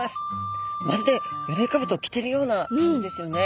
まるでよろいかぶとを着てるような感じですよね。